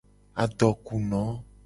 Adokuno.